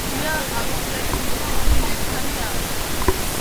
ღია ყავისფერი, მსუბუქი მერქანი აქვს.